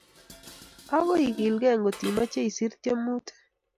Akoi ikilgei ngot imoche isiir tiemutik